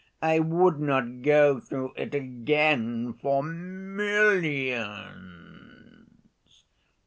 I would not go through it again for millions!"